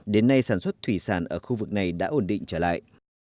đến nay sản xuất thủy sản ở khu vực này đã ổn định trở lại